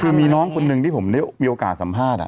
คือมีน้องคนหนึ่งที่ผมได้มีโอกาสสัมภาษณ์